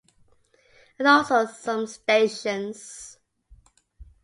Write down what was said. And also some stations.